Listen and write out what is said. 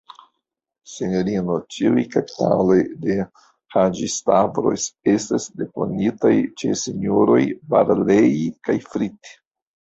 Sinjorino, ĉiuj kapitaloj de Haĝi-Stavros estas deponitaj ĉe S-roj Barlei kaj Fritt.